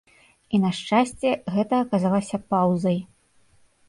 І на шчасце, гэта аказалася паўзай.